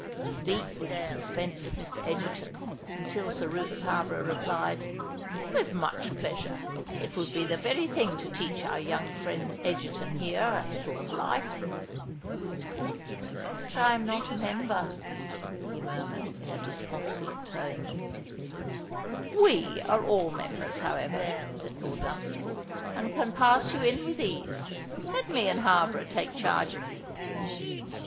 Deep was the suspense of Mr. Egerton until Sir Rupert Harborough replied, "With much pleasure. It would be the very thing to teach our young friend Egerton here a little of life." "But I am not a member" he murmured, in a disconsolate tone. "We are all members, however," said Lord Dunstable; "and can pass you in with ease. Let me and Harborough take charge of you."